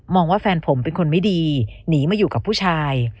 ว่าแฟนผมเป็นคนไม่ดีหนีมาอยู่กับผู้ชาย